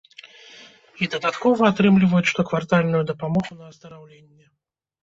І дадаткова атрымліваюць штоквартальную дапамогу на аздараўленне.